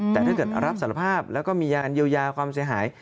แต่ถ้าเกิดรับสารภาพแล้วก็มียาอันเยียวยาความเสียหาย